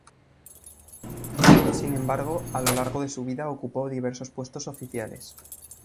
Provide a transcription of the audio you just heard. Sin embargo, a lo largo de su vida ocupó diversos puestos oficiales.